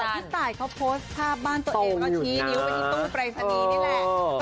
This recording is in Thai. พี่ตายเขาโพสต์ภาพบ้านตัวเองแล้วก็ชี้นิ้วไปที่ตู้ปรายศนีย์นี่แหละ